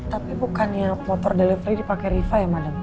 tapi bukannya motor delivery dipake riva ya madem